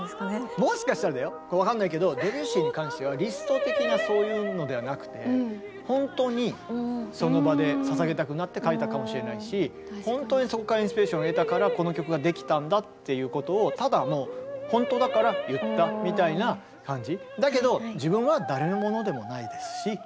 もしかしたらだよ分かんないけどドビュッシーに関してはリスト的なそういうのではなくて本当にその場でささげたくなって書いたかもしれないし本当にそこからインスピレーションを得たからこの曲ができたんだっていうことをただもう本当だから言ったみたいな感じ。